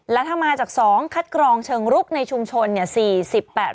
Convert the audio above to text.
และถ้ามาจาก๒คัดกรองเชิงรุกในชุมชนเนี่ย